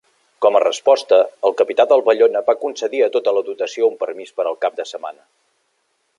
Com a resposta, el capità del Bellona va concedir a tota la dotació un permís per al cap de setmana.